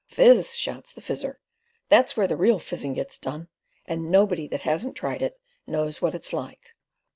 "Fizz!" shouts the Fizzer. "That's where the real fizzing gets done, and nobody that hasn't tried it knows what it's like."